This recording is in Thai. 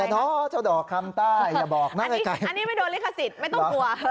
อันนี้ไม่โดนลิขสิทธิ์ไม่ต้องกลัว